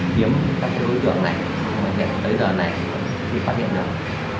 kiếm các cái đối tượng này để tới giờ này đi phát hiện được